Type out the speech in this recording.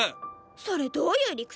それどういう理屈？